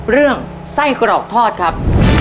เรื่องไส้กรอกทอดครับ